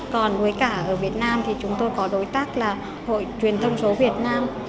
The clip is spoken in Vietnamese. còn với cả ở việt nam thì chúng tôi có đối tác là hội truyền thông số việt nam